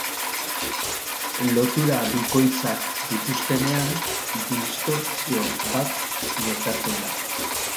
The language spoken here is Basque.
Lotura bikoitzak dituztenean, distortsio bat gertatzen da.